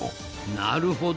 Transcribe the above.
なるほど。